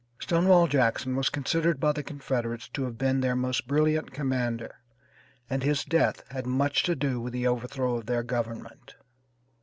Stonewall Jackson was considered by the Confederates to have been their most brilliant commander, and his death had much to do with the overthrow of their Government.